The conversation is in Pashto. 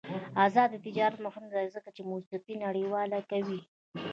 آزاد تجارت مهم دی ځکه چې موسیقي نړیواله کوي.